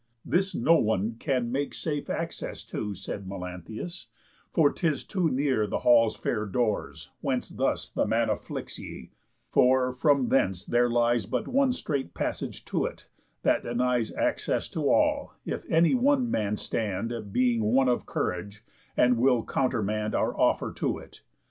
"This no one can Make safe access to," said Melanthius, "For 'tis too near the hall's fair doors, whence thus The man afflicts ye; for from thence there lies But one strait passage to it, that denies Access to all, if any one man stand, Being one of courage, and will countermand Our offer to it.